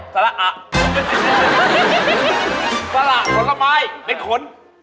ผลไม้เป็นขน